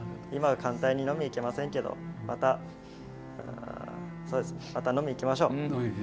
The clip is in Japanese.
今は簡単に飲みに行けませんけどまた、飲みに行きましょう。